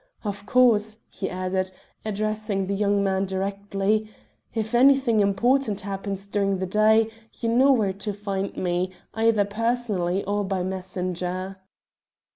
Of course," he added, addressing the young man directly, "if anything important happens during the day you know where to find me, either personally or by messenger."